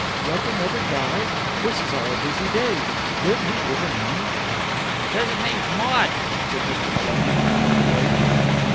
"Yet another guy? This is our busy day. Did he give a name?" "Says his name's Maude," said Master Maloney, turning a page.